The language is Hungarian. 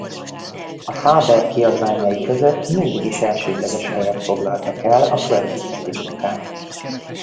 A Faber kiadványai között mindig is elsődleges helyet foglaltak el a költészeti munkák.